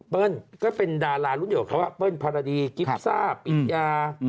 ก็เป็นดารารุ่นเดียวกับเขาว่าเปิ้ลภารดีกิฟซ่าปิญญา